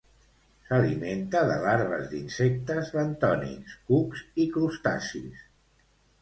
S'alimenta de larves d'insectes bentònics, cucs i crustacis.